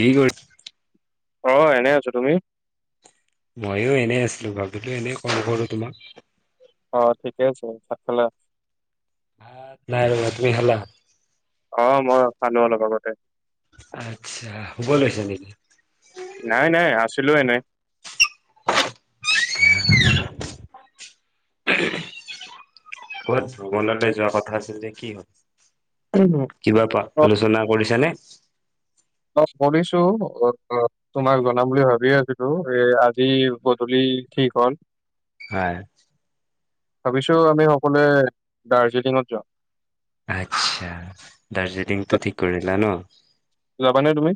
কি কৰি অ'! এনে আছোঁ, তুমি? মইয়ো, এনেই আছিলোঁ। ভাবিলোঁ! এনেই ক'ল কৰোঁ তোমাক। অ'! ঠিকে আছোঁ, ভাত খালা? ভাত নাই ৰ'বা, তুমি খালা? অ'! মই খালোঁ, অলপ আগতে। আচ্ছা, শুব লৈছে নেকি? নাই-নাই, আছিলোঁ এনেই। [unintelligible] [unintelligible] ক'ৰবাত ভৱনলে যোৱা কথা আছিল যে, কি হ'ল? কিবা [unintelligible] অ আলোচনা কৰিছানে? অ' কৰিছোঁ। তোমাক জনাম বুলি ভাবিয়ে এ আছিলোঁ। আজি গধূলি ঠিক হ'ল। হয়। ভাবিছোঁ আমি সকলোৱে, দাৰ্জিলিঙত যাম। আচ্ছা, যা- দাৰ্জিলিংটো ঠিক কৰিলা ন? যাবানে তুমি?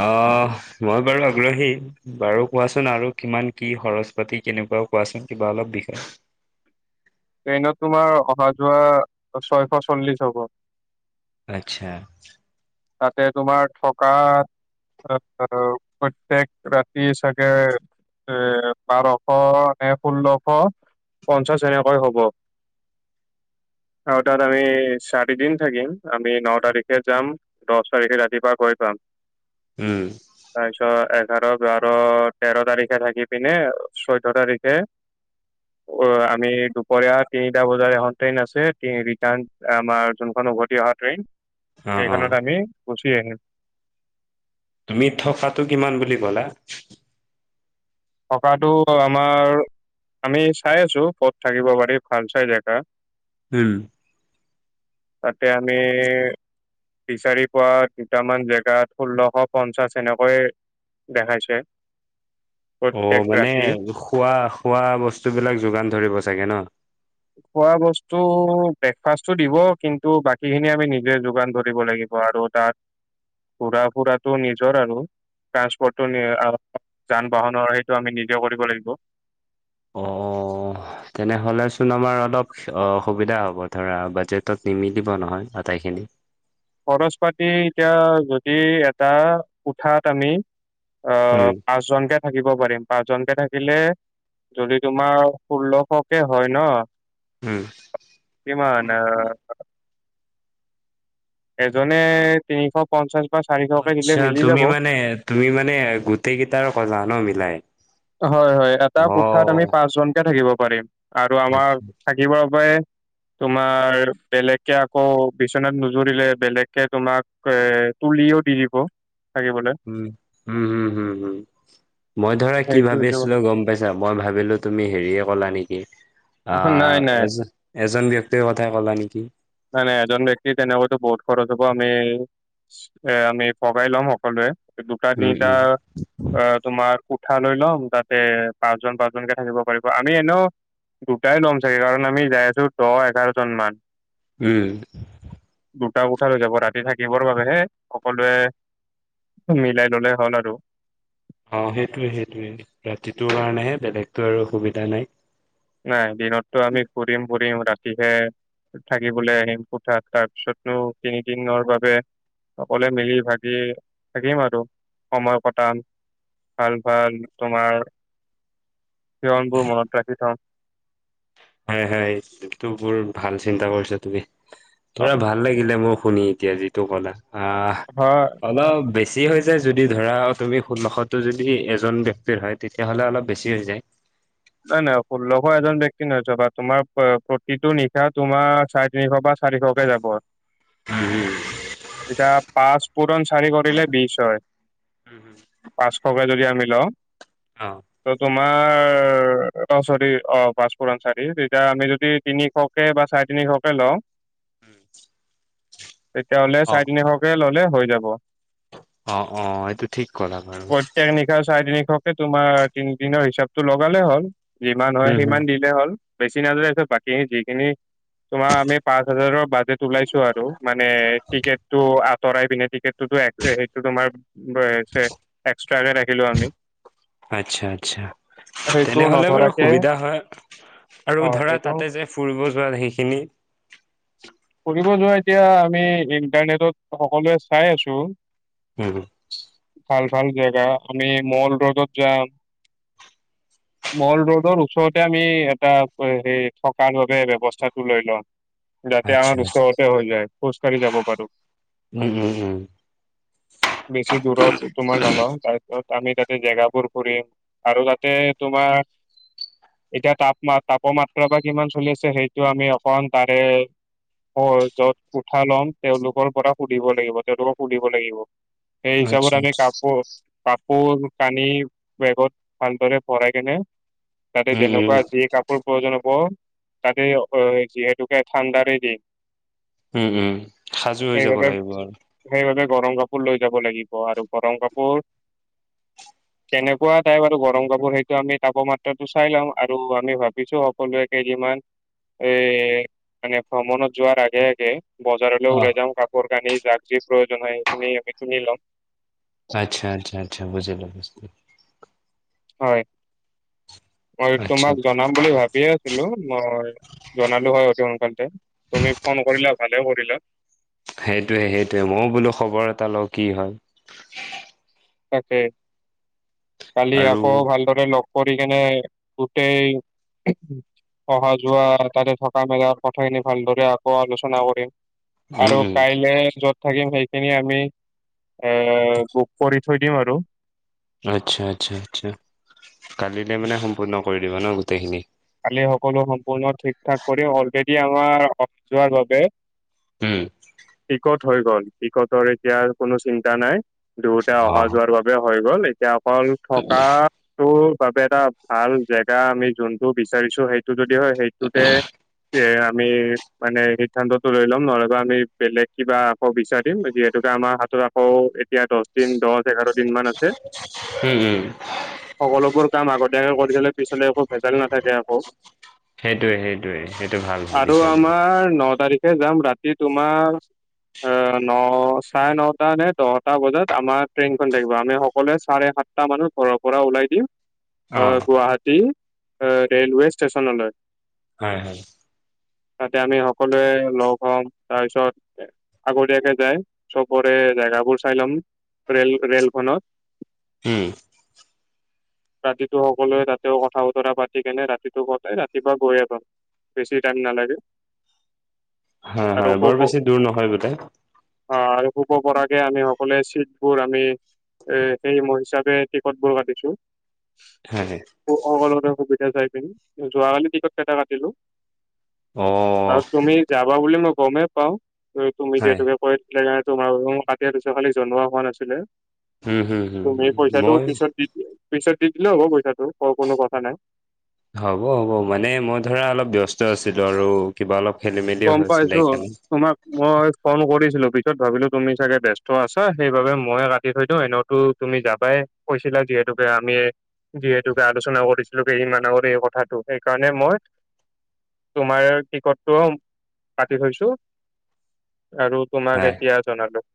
অ' মই বাৰু আগ্ৰহী। বাৰু কোৱাচোন আৰু কিমান কি খৰজ পাতি, কেনেকুৱাও কোৱাচোন কিবা অলপ বিষ। ট্ৰেইনত তোমাৰ অহা, যোৱা ছয়শ চল্লিশ হ'ব। আচ্ছা। তাতে তোমাৰ থকা। প্ৰত্যেক ৰাতিৰ চাগে। এ বাৰশ নে ষোল্লশ, পঞ্চাশ হৈ হয় হ'ব। আৰু তাত আমি চাৰি দিন থাকিম, আমি 'ন' তাৰিখে যাম। দহ তাৰিখে ৰাতিপুৱা গৈ পাম। উম তাৰপিছত [unintelligible] তেৰ তাৰিখে থাকি পিনে, চৈধ্য তাৰিখে অ' আমি দুপৰীয়া তিনিটা বজাত এখন ট্ৰেইন আছে। ৰিটাৰ্ণ আমাৰ যোনখন উভতি অহা ট্ৰেইন। অ অ সেইখনত আমি গুচি আহিম। তুমি থকাটো কিমান বুলি ক'লা? থকাটো আমাৰ। আমি চাই আছোঁ, ক'ত থাকিব পাৰি ভাল চাই জেগা। উম'। তাকে আমি বিচাৰি পোৱা দুটামান জেগাত ষোল্লশ পঞ্চাশ এনেকৈয় দেখাইছে। প্ৰত্যেক অ' মানে, ৰাতি খোৱা শুৱা বস্তুবিলাক যোগান ধৰিব চাগে ন? খোৱা বস্তু ব্ৰেকফাষ্টটো দিব, কিন্তু বাকীখিনি আমি নিজে যোগান ধৰিব লাগিব আৰু। তাত, ঘূৰা -ফুৰাটো নিজৰ আৰু। ট্ৰান্সপ'ৰ্টটো আৰু যান বাহনৰ সেইটো আমি নিজে কৰিব লাগিব। অ'। তেনেহ'লেচোন আমাৰ অলপ অসুবিধা হ'ব, ধৰা বাজেটত নিমিলিব নহয় আটাইখিনি। খৰচ পাতি এতিয়া যদি এটা কোঠাত আমি আহ উম, পাঁচজনকে থাকিব পাৰিম। পাঁচজনকে থাকিলে। যদি তোমাৰ ষোল্লশকে হয় ন। হম। কিমান আ এজনে তিনিশ পঞ্চাশ বা অ', চাৰিশকে দিলে আচ্ছা মিলি তুমি যাব। মানে তুমি মানে গোটেই কেইটাৰ কলা ন মিলাই। হয়, হয়, এটা কোঠাত আমি অ', পাঁচ জনকে থাকিব পাৰিম। আৰু আচ্ছা আমাৰ থাকিব বাবে তোমাৰ বেলেগকে আকৌ, বিচনাত নুজুৰিলে বেলেগকে তোমাক। এ তুলিও দি দিব থাকিবলে। উম' হম, হম, হম, হম মই ধৰা কি সেইটো ভাবি হৈছে আছিলো, গম পাইছা? মই ভাবিলো তুমি হেৰিয়ে কলা নেকি, আ কথা। নাই নাই এজ এজন ব্যক্তিৰ কথা কলা নে কি? নাই নাই এজন ব্যক্তিৰ তেনেকৈতো বহুত খৰচ হব আমি এ আমি ভগাই লম সকলোৱে, দুটা উম, তিনিটা উম, অঁ তোমাৰ কোঠা লৈ ল'ম, তাতে পাঁচজন পাঁচজনকে থাকিব পাৰিব আমি এনেও দুটাই ল'ম চাগে, কাৰণ আমি যাই আছো দহ এঘাৰজন মান। উম। দুটা কোঠা হৈ যাব, ৰাতি থাকিবৰ বাবেহে সকলোৱে মিলাই ললেই হ'ল আৰু। অঁ সেইটোৱে সেইটোৱে ৰাতিটোৰ কাৰণেহে বেলেগতো আৰু অসুবিধা নাই। নাই দিনতটো আমি ফুৰিম ফুৰিম ৰাতিহে থাকিবলে আহিম কোঠাত তাৰ পিছতনো তিনিদিনৰ বাবে সকলোৱে মিলি ভাগি থাকিম আৰু সময় কটাম। ভাল ভাল তোমাৰ ক্ষয়ণবোৰ মনত ৰাখি থম। হয় হয়, এইটো বৰ ভাল চিন্তা কৰিছা তুমি। অ, তোমাৰ ভাল লাগিলে মোৰ শুনি এতিয়া যিটো কলা আহঁ হয়। অলপ বেছি হৈ যায় যদি ধৰা তুমি ষোল্লশটো যদি এজন ব্যক্তিৰ হয়, তেতিয়াহ'লে অলপ বেছি হৈ যায়। নাই নাই ষোল্লশ এজন ব্যক্তি নহয়, তোমাৰ প্ৰতিটো নিশা তোমাৰ চাই তিনিশ বা চাৰিশকে যাব, এতিয়া পাঁচ পূৰণ চাৰি কৰিলে বিছ হয়, পাঁচশকৈ যদি আমি লওঁ। অঁ। ত' তোমাৰ। অঁ চৰি অ পাঁচ পূৰণ চাৰি, তেতিয়া আমি যদি তিনিশকে বা চাৰেতিনিশকে লওঁ। তেতিয়াহ'লে অ চাৰে তিনিশকে ললে হৈ যাব। অঁ অঁ, এইটো ঠিক কলা বাৰু। এতিয়া চাৰে তিনিশকে তোমাৰ তিনিদিনৰ হিচাপটো লগালে হ'ল, যিমান হয় হুম হুম সিমান বিল। হল। বেছি নাযায় পাছত বাকী যিখিনি তোমাৰ আমি পাঁচ হাজাৰৰ বাজেট ওলাইছো আৰু, মানে টিকেটো আঁতৰাই পিনে টিকেটোতো সেইটো তোমাৰ এক্স এক্সট্ৰাকে ৰাখিলো আমি। আচ্ছা আচ্ছা সেইটো তেনেহ'লে বাৰু নধৰাকে সুবিধা হয়। আৰু অ ধৰা সেইটো তাতে যে ফুৰিব যোৱা সেইখিনি [unintelligible] ফুৰিব যোৱা এতিয়া আমি ইণ্টাৰনেটত সকলোৱে চাই আছো। হুম হুম। ভাল ভাল জেগা আমি মল ৰোডত যাম। মল ৰোডৰ ওচৰতে আমি এটা সেই থকাৰ বাবে ব্যৱস্থাটো লৈ লম। যাতে আচ্ছা আমাৰ আচ্ছা ওচৰতে হৈ যায় খোজ কাঢ়ি যাব পাৰো। উম উম হুম। [inaudible] বেছি দূৰত তোমাৰ নলওঁ, তাৰপিছত আমি তাতে জেগাবোৰ ফুৰিম আৰু তাতে তোমাৰ এতিয়া তাপমা তাপৰ মাত্ৰা বা কিমান চলি আছে সেইটো আমি অকণমান তাৰে হয়, যত কোঠা ল'ম তেওঁলোকৰ পৰা সুধিব লাগিব তেওঁলোকক সুধিব লাগিব। সেই হিচাবত আচ্ছা আমি আচ্ছা কাপোৰ কাপোৰ কানি বেগত ভালদৰে ভৰাই কেনে, তাতে উম উম যেনেকুৱা যি কাপোৰ প্ৰজনপ তাতে অঁ, যিহেতুকে ঠাণ্ডাৰে দিন। উম-উম সাজু হৈ যাব সেইবাবে লাগিব আৰু। সেইবাবে গৰম কাপোৰ লৈ যাব লাগিব আৰু গৰম কাপোৰ- তেনেকুৱা তাই বাৰু গৰম কাপোৰ হে- আমি তাপমাত্ৰাতটো চাই লম আৰু আমি ভাবিছো সকলোৱে কেইদিনমান- এই মানে ভ্ৰমণত যোৱাৰ আগে-আগে- বজাৰলৈ অ ওলাই যাওঁ, কাপোৰ কানি যাক যি প্ৰয়োজন হয়, সেইখিনি আমি কিনি লম। আচ্ছা-আচ্ছা-আচ্ছা, বুজিলো-বুজিলো। হয়, মই আচ্ছা তোমাক জনাম বুলি ভাবিয়ে আছিলো। মই- জনলো হয় অতি সোনকালে। তুমি ফোন কৰিলা, ভালে কৰিলা। সেইটোৱে-সেইটোৱে। মইও বোলো খবৰ এটা লওঁ কি হয়? তাকে, কালি আৰু আকৌ ভাল- তহঁতে লগ কৰি কেনে গোটেই- অহা -যোৱা তাতে থকা মেলাৰ কথাখিনি ভালদৰে আকৌ আলোচনা কৰিম। উম আৰু উম কাইলে য'ত থাকিম সেইখিনি আমি এ বুক- কৰি থৈ দিম আৰু। আচ্ছা-আচ্ছা-আচ্ছা, কালিলৈ মানে সম্পূৰ্ণ কৰি দিবা ন গোটেইখিনি। কালি সকলো সম্পূৰ্ণ ঠিক ঠাক কৰি অলৰেডি আমাৰ যোৱাৰ বাবে- উম টিকট হৈ গল, টিকটৰ এতিয়া আৰু কোনো চিন্তা নাই- দুয়োতে অ অহা- যোৱাৰ বাবে হৈ গ'ল। এতিয়া অকল থকাটো- বাবে এটা ভাল জেগা আমি যোনটো বিচাৰিছো সেইটো যদি হয়, সেইটোতে- এ আমি মানে সিদ্ধান্তটো লৈ ল'ম, নহ'লে বা আমি বেলেগ কিবা- আকৌ বিচাৰম যিহেতুকে আমাৰ হাতত আকৌ এতিয়া দচ দিন দহ- এঘাৰ দিন মান আছে। উম উম সকলোবোৰ কাম আগতিয়াকৈ কৰি থ'লে - পিছলে একো ভেজাল নাথাকে আকৌ সেইটোৱে সেইটোৱে সেইটো ভাল আৰু ভাবিছা তোমাৰ আমাৰ- আ ন তাৰিখে যাম। ৰাতি তোমাৰ- অঁ, ন -চাৰে নটা নে দহটা বজাত আমাৰ ট্ৰেইনখন থাকিব। আমি সকলোৱে চাৰে সাত- টা মানত ঘৰৰ পৰা ওলাই দিম। অ অঁ, গুৱাহাটী অঁ, ৰেলৱে ষ্টেচনলৈ। হয়, হয়। তাতে আমি সকলোৱে লগ হ'ম তাৰ পিছত- আগতীয়াকে যায় চবৰে জেগাবোৰ চাই লম। ৰেল -ৰেলখনত। উম। ৰাতিটো সকলোৱে তাত- তেওঁ কথা বতৰা পাতিকেনে ৰাতিটো কটাই ৰাতিপুৱা গৈ এ পাম বেছি টাইম নালাগে। [inaudible] হয়, হয় বৰ বেছি দূৰ নহয় বোলে। অঁ আৰু শুব পৰাকে আমি সকলোৱে চিটবোৰ আমি- এ সেই মোৰ হিচাপে টিকটবোৰ কাটিছো। হয়। মোৰ সকলৰে সুবিধা চাই পিনি, যোৱাকালি টিকট কেইটা কাটিলোঁ। অঁ। আৰু তুমি যাবা বুলি মই গমেই পাওঁ, তুমি হয় যিহেতুকে- কৈছিলা যে তোমাৰ বোলো, তাকে পিছে জনোৱা হোৱা নাছিলে। উম হুম হুম তুমি হুম পইচাটো মই পিছত দি পিছত দি দিলেও হ'ব পইচাটো ক কোনো কথা নাই। হ'ব হ'ব মানে মই ধৰা অলপ ব্যস্ত আছিলোঁ আৰু- কিবা অলপ খেলি মেলিও গম হৈ আছিলে পাইছো সেইকাৰণে। তোমাক মই ফোন কৰিছিলো পিছত ভাবিলোঁ তুমি চাগে ব্যস্ত আছা সেইবাবে মই কাটি থৈ দিওঁ এনেও- তো তুমি যাবাই কৈছিলা যিহেতুকে আমি- যিহেতুকে আলোচনা কৰিছিলো কেইদিনমান আগত এই কথাটো। সেইকাৰণে মই- তোমাৰ টিকট টো- কাটি থৈছো আৰু তোমাক হয় এতিয়া জনালোঁ।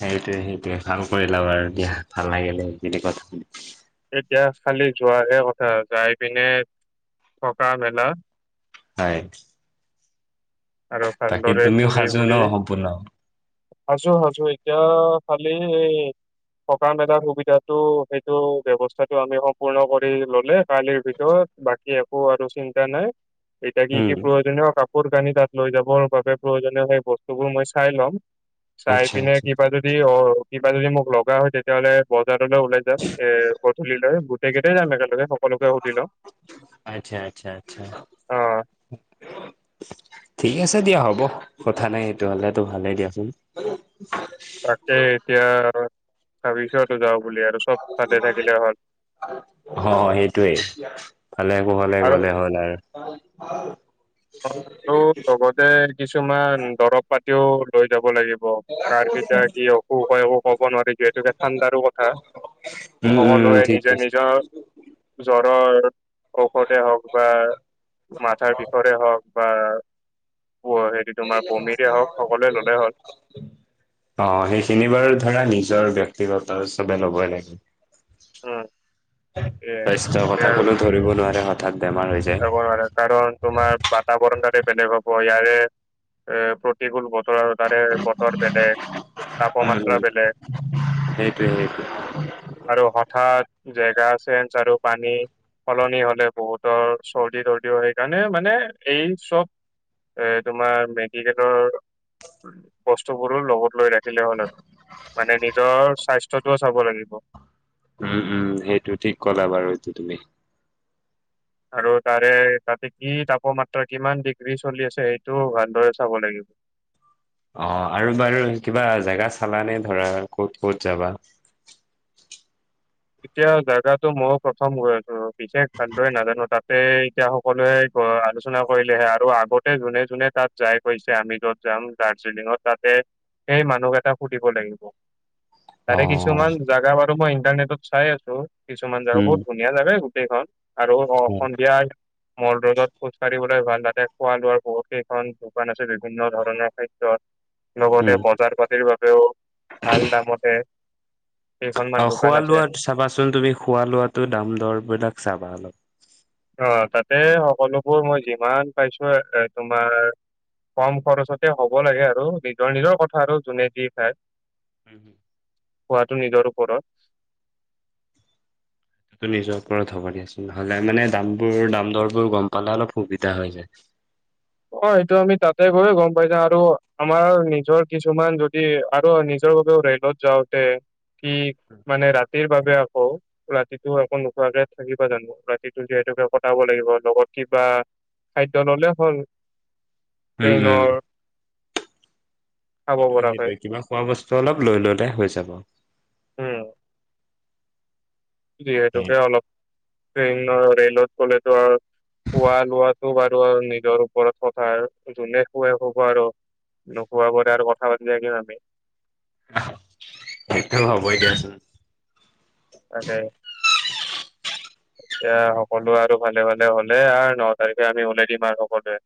সেইটোৱে সেইটোৱে। ভাল কৰিলা বাৰু দিয়া, ভাল লাগিলে সেইখিনি কথা শুনি। এতিয়া খালি যোৱাহে কথা যাই পিনে থকা মেলা। হয়। আৰু বাকী ভালদৰে তুমিও পঢ়ি সাজু ন শুনি- সম্পূৰ্ণ? সাজু সাজু, এতিয়া খালি- থকা মেলাৰ সুবিধাটো সেইটো ব্যৱস্থাটো আমি সম্পূৰ্ণ কৰি ল'লে - কালিৰ ভিতৰত বাকী একো আৰু চিন্তা নাই, এতিয়া কি উম কি প্ৰয়োজনীয় কাপোৰ কানি তাত- লৈ যাবৰ বাবে প্ৰয়োজনীয় সেই বস্তুবোৰ মই চাই লম চাই আচ্ছা পিনে আচ্ছা কিবা যদি অ কিবা যদি মোক লগা হয় তেতিয়া হ'লে বজাৰলৈ ওলাই যাম এ গধূলৈ- ‍গোটেইকেইটাই যাম একেলগে সকলোকে সুধি লওঁ। আচ্ছা'-আচ্ছা'-আচ্ছা'। অ ঠিক আছে দিয়া হ'ব, কথা নাই সেইটো হ'লেতো ভালেই দিয়াচোন। [unintelligible] তাকে এতিয়া ভাবিছোঁ আৰু যাওঁ বুলি আৰু চ'ব- ভালে থাকিলে হ'ল অঁ' সেইটোৱেই, ভালে কুশলে আৰু গ'লে হ'ল আৰু। [unintelligible] আৰু লগতে কিছুমান দৰব পাতিও- লৈ যাব লাগিব। কাৰ কেতিয়া কি অসুখ হয় একো ক'ব নোৱাৰি যিহেতুকে ঠাণ্ডাৰো কথা। উম উম সকলোৱে ঠিক নিজৰ কৈছে। নিজৰ- জ্বৰৰ ঔষধে হওক বা মাথাৰ বিষ ৰে হওক বা হেৰি তোমাৰ বমিৰে হওক সকলোৱে ল'লে হ'ল। অঁ' সেইখিনি বাৰু ধৰা নিজৰ ব্যক্তিগত চবে ল'বই লাগে। উম এ স্বাস্থ্য কথা কোনেও ধৰিব নোৱাৰে হঠাৎ বেমাৰ হৈ যায়। ল'ব লাগে কাৰণ তোমাৰ বাতাবৰণ তাতে বেলেগ হ'ব, ইয়াৰে এ প্ৰতিকূল বতৰ- তোৰ তাৰে বতৰ বেলেগ, উম তাপমাত্ৰা বেলেগ- সেইটোৱে সেইটোৱে আৰু হঠাৎ জেগা চেঞ্জ আৰু পানী- সলনি হ'লে বহুতৰ চৰ্দি তৰ্দিও সেইকাৰণে মানে এই চ'ব- এ তোমাৰ মেডিকেলৰ- বস্তুবোৰো লগত লৈ ৰাখিলে হ'ল আৰু। মানে নিজৰ স্বাস্থ্যটোও চাব লাগিব। উমঁ' উমঁ' সেইটো ঠিক ক'লা বাৰু এইটো তুমি। আৰু তাৰে তাতে কি তাপমাত্ৰা কিমান ডিগ্ৰী চলি আছে সেইটো ভালদৰে চাব লাগিব। অঁ' আৰু বাৰু কিবা জেগা চালানে ধৰা ক'ত ক'ত যাবা? এতিয়া জাগাটো মই প্ৰথম গৈ আছোঁ, বিশেষ ভালদৰে নাজানো, তাতে এতিয়া- সকলোৱে আলোচনা কৰিলেহে আৰু আগতে যোনে যোনে তাত যাই পাইছে আমি য'ত যাম দাৰ্জিলিঙত- তাতে সেই মানুহ কেইটাক সুধিব লাগিব। অ তাৰে কিছুমান জেগা বাৰু মই ইন্টাৰনেটত চাই আছো কিছুমান জেগা উম বহুত ধুনীয়া। ধুনীয়া জাগাই গোটেইখন আৰু অ হয় সন্ধিয়া মল ৰদত খোজ কঢ়িবলৈ ভাল তাতে খোৱা লোৱাৰ বহু কেইখন দোকান আছে বিভিন্ন ধৰণৰ খাদ্যৰ উম লগতে বজাৰ পাতিৰ বাবেও ভাল দামতে। কেইখনমান অ দোকান খোৱা আছে লোৱা চাবাচোন খোৱা লোৱাটো দৰবলাক চাবা অলপ। অ তাতে সকলোবোৰ মই যিমান পাইছো এ তোমাৰ কম খৰচতে হ'ব লাগে আৰু নিজৰ নিজৰ কথা আৰু যোনে যি খায়। হুম হুম। খোৱাাতটো নিজৰ ওপৰত। সটো নিজৰ ওপৰত হ'ব দিয়াচোন, নহ'লে মানে দাম বোৰ দাম দৰবোৰ গম পালে অলপ সুবিধা হৈ যায়। অ সটো আমি তাতে গৈয়ে গম পাইছা আৰু আমাৰ নিজৰ কিছুমান যদি আৰু নিজৰ বাবেও ৰাই। যত যাওঁতে কি মানে ৰাতিৰ বাবে আকৌ। ৰাতিটো আকৌ নোখোৱাকে থাকিবা জানো ৰাতিটো যিহেতুকে কটাব লাগিব, লগত কিবা খাদ্যয় ল'লে হ'ল, উম উম ট্ৰেইনৰ খাব সেইটোয়ে পৰাকৈ সেইটয়ে কিবা খোৱা বস্তু অলপ লৈ ললে হৈ যাব। উম। যিহেতুকে অলপ ট্ৰেনইৰ ৰেলত গলেতো আৰু খোৱা লোৱাতটো বাৰু আৰু নিজৰ ওপৰত কথা যোনে কুৱাই হ'ব আৰু। নোখোবোৰে আৰু কথা পাতি থাকিম আমি। সেইটো হ'ব দিয়া চোন। তাকে। এতিয়া সকলোৱে আৰু ভালে ভালে হ'লে আৰু ন তাৰিখে আমি উওলাই দিম আৰু সকলোৱে।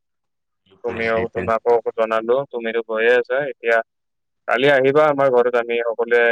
তুমি ও সেইটোৱে। তোমাক ককো জনালো তুমিতো গৈয়ে আছা এতিয়া, কালি আহিবা আমাৰ ঘৰত আমি সকলোৱে